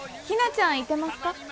ひなちゃんいてますか？